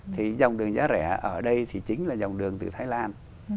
thì dòng đường giá rẻ ở đây thì chính là dòng đường từ thái lan